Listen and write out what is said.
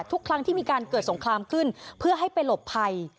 ทุกครั้งที่มีการเกิดสงครามขึ้นเพื่อให้ไปหลบภัย